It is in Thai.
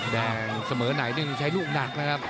ได้เสมอไหนนี่ใช้ลูกหนักนะครับ